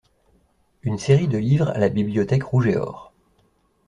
Une série de livres à la bibliothèque rouge et or.